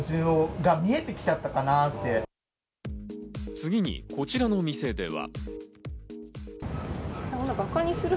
次にこちらの店では。